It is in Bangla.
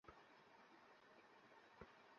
বিলায়া দিবো না তোমারে।